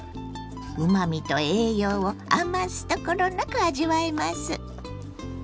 うまみと栄養を余すところなく味わえます。